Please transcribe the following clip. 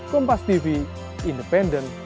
kompas tv independen